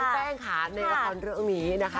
น้องแป้งค่ะในละครเยอะมีนะค่ะ